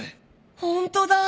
ホントだ！